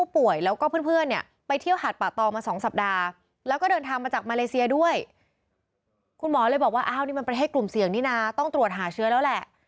ประเทศกลุ่มเสี่ยงนี่นะต้องตรวจหาเชื้อแล้วแหละ